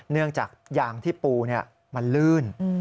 เนื่องจากยางที่ปูมันลื่น